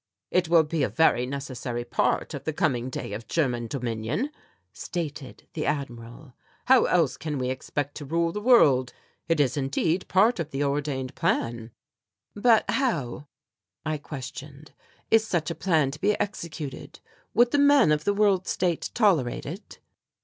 "It will be a very necessary part of the coming day of German dominion," stated the Admiral. "How else can we expect to rule the world? It is, indeed, part of the ordained plan." "But how," I questioned, "is such a plan to be executed? Would the men of the World State tolerate it?"